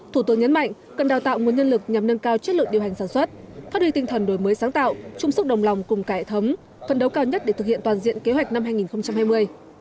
thủ tướng nhấn mạnh cần đào tạo nguồn nhân lực nhằm nâng cao chất lượng điều hành sản xuất phát huy tinh thần đổi mới sáng tạo chung sức đồng lòng cùng cải thống phần đấu cao nhất để thực hiện toàn diện kế hoạch năm hai nghìn hai mươi